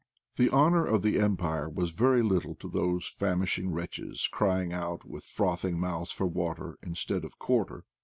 The honor of the Empire was ver^ little to those famishing wretches crying out with frothing mouths for water instead of quar ter.